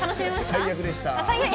最悪でした。